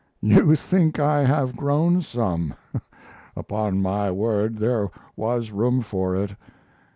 You think I have grown some; upon my word there was room for it.